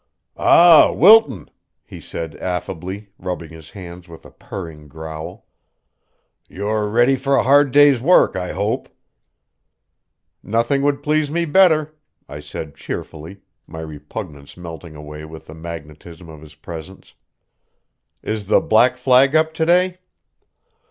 "Ah, Wilton," he said affably, rubbing his hands with a purring growl. "You're ready for a hard day's work, I hope." "Nothing would please me better," I said cheerfully, my repugnance melting away with the magnetism of his presence. "Is the black flag up today?"